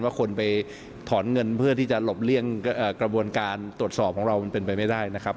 ว่าคนไปถอนเงินเพื่อที่จะหลบเลี่ยงกระบวนการตรวจสอบของเรามันเป็นไปไม่ได้นะครับ